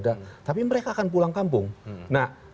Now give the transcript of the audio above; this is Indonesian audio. saya pikir melalui ruang ini saya berharap penyelenggara mengantisipasi ini